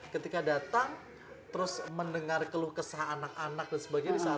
ketika datang terus mendengar keluh kesah anak anak dan sebagainya di sana